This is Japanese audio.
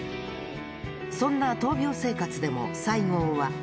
そんな闘病生活でも西郷は。